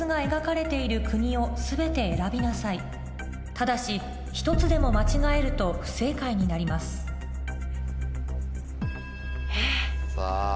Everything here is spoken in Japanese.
ただし一つでも間違えると不正解になりますえっ。